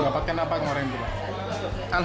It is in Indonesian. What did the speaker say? dapatkan apa kemaren dulu